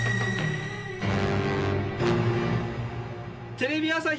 テレビ朝日